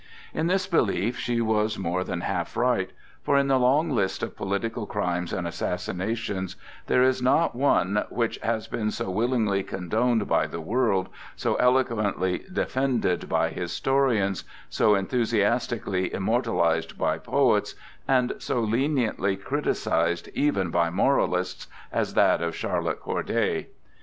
In this belief she was more than half right, for in the long list of political crimes and assassinations there is not one which has been so willingly condoned by the world, so eloquently defended by historians, so enthusiastically immortalized by poets, and so leniently criticised even by moralists as that of Charlotte Corday.